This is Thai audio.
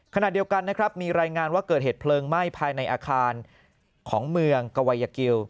ขณะเดียวกันนะครับมีรายงานว่าเกิดเหตุเพลิงไหม้ภายในอาคารของเมืองกวัยยากิล